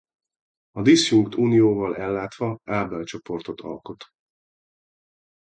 A diszjunkt unióval ellátva Abel-csoportot alkot.